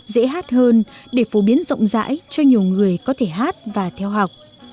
dễ hát hơn để phổ biến rộng rãi cho nhiều người có thể hát và theo học